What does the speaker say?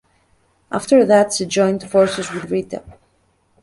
After that, she joined forces with Rita.